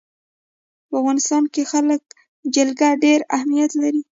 په افغانستان کې جلګه ډېر اهمیت لري.